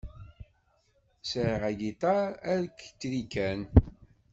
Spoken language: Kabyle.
Sεiɣ agiṭar alktrikan.